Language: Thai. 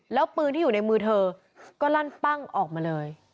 แล้วปืนที่อยู่ในมือเธอก็ลั่นปั้งออกมาเลย